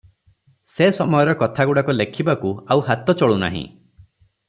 ସେ ସମୟର କଥାଗୁଡ଼ାକ ଲେଖିବାକୁ ଆଉ ହାତ ଚଳୁ ନାହିଁ ।